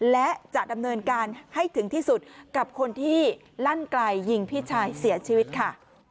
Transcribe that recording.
และจะดำเนินการให้ถึงที่สุดกับคนที่ลั่นไกลยิงพี่ชายเสียชีวิตค่ะ